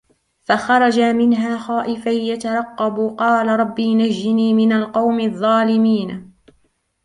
فَخَرَجَ مِنْهَا خَائِفًا يَتَرَقَّبُ قَالَ رَبِّ نَجِّنِي مِنَ الْقَوْمِ الظَّالِمِينَ